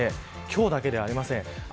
今日だけではありません。